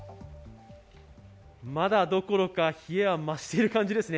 まだどころか、冷えは増している感じですね。